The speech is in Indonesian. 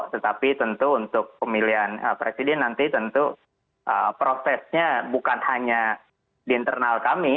tetapi tentu untuk pemilihan presiden nanti tentu prosesnya bukan hanya di internal kami